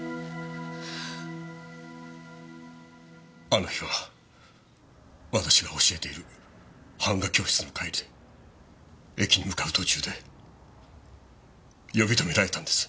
あの日は私が教えている版画教室の帰りで駅に向かう途中で呼び止められたんです。